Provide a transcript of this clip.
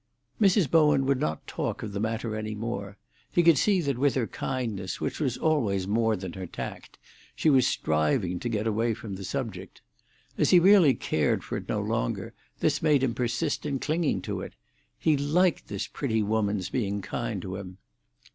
Mrs. Bowen would not talk of the matter any more; he could see that with her kindness, which was always more than her tact, she was striving to get away from the subject. As he really cared for it no longer, this made him persist in clinging to it; he liked this pretty woman's being kind to him.